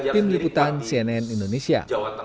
tim liputan cnn indonesia